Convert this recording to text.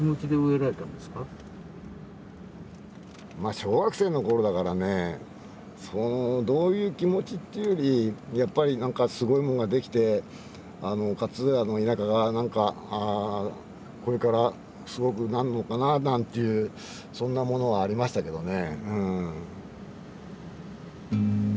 小学生のころだからねどういう気持ちっていうよりやっぱり何かすごいもんができて勝浦の田舎が何かこれからすごくなんのかななんていうそんなものはありましたけどね。